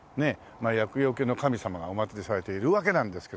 厄よけの神様がお祭りされているわけなんですけども。